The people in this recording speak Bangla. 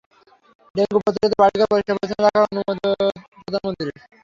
ডেঙ্গু প্রতিরোধে বাড়িঘর পরিষ্কার-পরিচ্ছন্ন রাখার অনুরোধ প্রধানমন্ত্রীর।